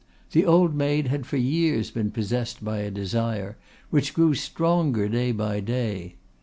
The old maid had for years been possessed by a desire which grew stronger day by day.